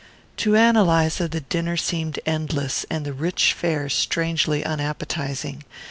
To Ann Eliza the dinner seemed endless, and the rich fare strangely unappetizing.